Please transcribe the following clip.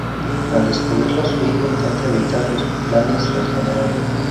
Al descubrirlo, su hijo intentará evitar los planes del general.